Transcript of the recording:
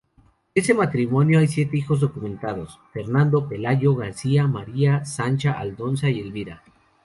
De ese matrimonio hay siete hijos documentados: Fernando, Pelayo, Garcia, María, Sancha, Aldonza y Elvira.